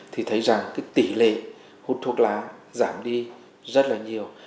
thì thấy rằng tỉ lệ hút thuốc lá giảm đi rất là nhiều